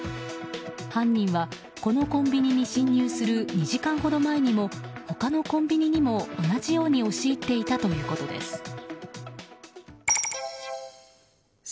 犯人はこのコンビニに侵入する２時間ほど前にも他のコンビニにも同じように押し入っていたということです。